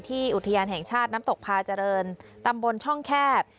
อุทยานแห่งชาติน้ำตกพาเจริญตำบลช่องแคบ